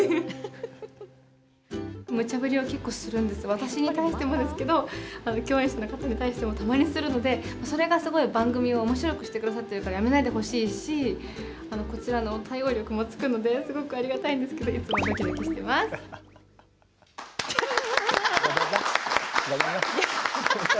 私に対してもですけど共演者の方に対してもたまにするのでそれがすごい番組をおもしろくしてくださってるからこちらの対応力もつくのですごくありがたいんですけどごめんな。